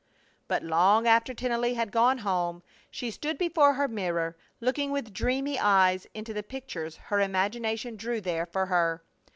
But long after Tennelly had gone home she stood before her mirror, looking with dreamy eyes into the pictures her imagination drew there for her.